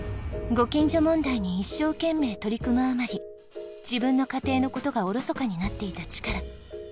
ご近所問題に一生懸命取り組むあまり自分の家庭の事がおろそかになっていたチカラ。